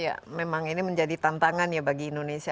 ya memang ini menjadi tantangan ya bagi indonesia